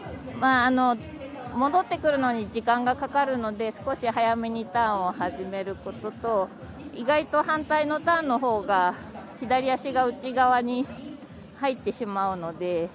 戻ってくるのに時間がかかるので少し早めにターンを始めることと意外と反対のターンのほうが左足が内側に入ってしまうので。